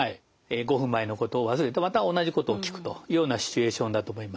５分前のことを忘れてまた同じことを聞くというようなシチュエーションだと思います。